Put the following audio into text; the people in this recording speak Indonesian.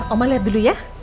omah liat dulu ya